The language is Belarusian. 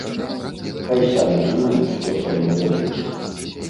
Хай самі думаюць, што са мной рабіць.